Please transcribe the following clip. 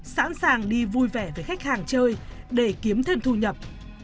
sẵn sàng đi vui vẻ với khách hàng chơi để kiếm thêm thu nhập